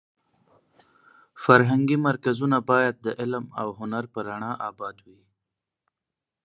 فرهنګي مرکزونه باید د علم او هنر په رڼا اباد وي.